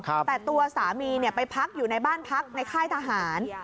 แต่ตัวสามีเนี่ยไปพักอยู่ในบ้านพักในค่ายทหาร